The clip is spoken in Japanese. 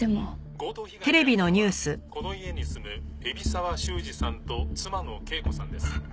「強盗被害に遭ったのはこの家に住む海老沢修二さんと妻の敬子さんです」